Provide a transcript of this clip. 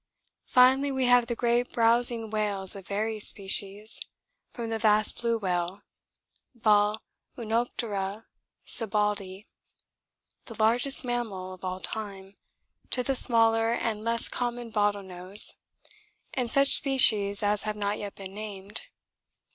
Finally, we have the great browsing whales of various species, from the vast blue whale (Balænoptera Sibbaldi), the largest mammal of all time, to the smaller and less common bottle nose and such species as have not yet been named.